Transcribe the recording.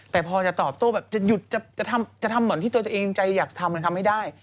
แต่พอจะตอบโต้จะทำอย่างที่ตัวเองอยากทำทำอย่างที่ไม่ได้